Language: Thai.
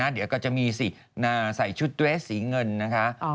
เดี๋ยวก็จะมีสิใส่ชุดเรสสีเงินนะคะ